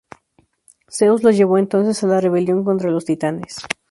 Zeus los llevó entonces a la rebelión contra los Titanes.